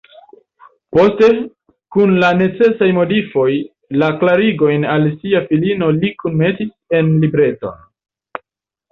Poste, kun la necesaj modifoj, la klarigojn al sia filino li kunmetis en libreton.